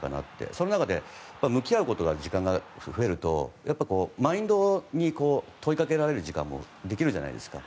その中で向き合うことの時間が増えるとマインドに問いかけられる時間もできるじゃないですか。